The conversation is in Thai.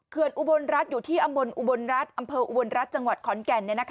อุบลรัฐอยู่ที่ตำบลอุบลรัฐอำเภออุบลรัฐจังหวัดขอนแก่น